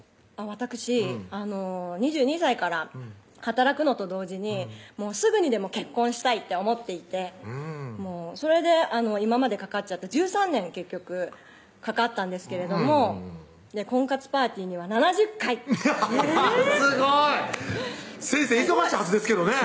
わたくし２２歳から働くのと同時にすぐにでも結婚したいって思っていてそれで今までかかっちゃって１３年結局かかったんですけれども婚活パーティーには７０回アハハハッすごい先生忙しいはずですけどね